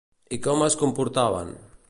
I com es comportaven?